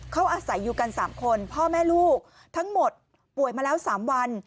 เขาอาศัยอยู่กัน๓คนพ่อแม่ลูกทั้งหมดป่วยมาแล้ว๓วัน